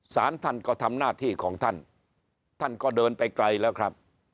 สารท่านก็ทำหน้าที่ของท่านท่านก็เดินไปไกลแล้วครับ